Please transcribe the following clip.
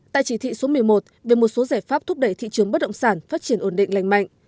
tại chỉ thị số một mươi một về một số giải pháp thúc đẩy thị trường bất động sản phát triển ổn định lành mạnh